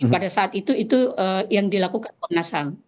pada saat itu itu yang dilakukan komnas ham